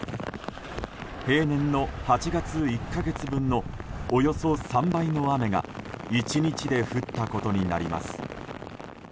平年の８月１か月分のおよそ３倍の雨が１日で降ったことになります。